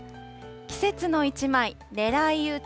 季節の１枚狙い撃ち！